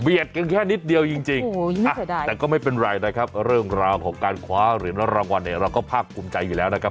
กันแค่นิดเดียวจริงแต่ก็ไม่เป็นไรนะครับเรื่องราวของการคว้าเหรียญรางวัลเนี่ยเราก็ภาคภูมิใจอยู่แล้วนะครับ